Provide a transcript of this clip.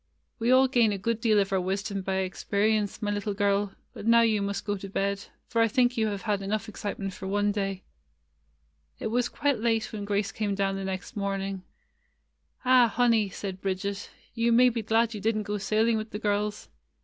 "We all gain a good deal of our wisdom by experience, my little girl; but now you must go to bed, for I think you have had enough excitement for one day." It was quite late when Grace came down the [ 94 ] GRAGE^S HOLIDAY next morning. "Ah! honey," said Bridget, "you may be glad you did n't go sailing with the girls.